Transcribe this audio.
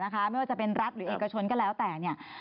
ไม่ว่าจะเป็นรัฐหรือเอกชนก็แล้วแต่เนี่ย